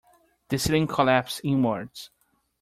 The ceiling collapsed inwards.